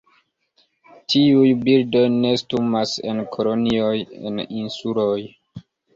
Tiuj birdoj nestumas en kolonioj en insuloj.